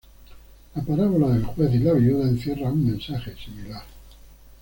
La parábola del juez y la viuda encierra un mensaje similar.